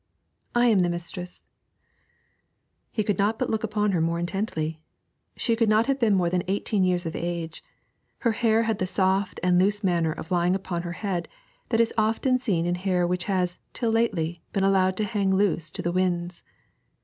'I am the mistress.' He could but look upon her more intently. She could not have been more than eighteen years of age. Her hair had the soft and loose manner of lying upon her head that is often seen in hair which has, till lately, been allowed to hang loose to the winds.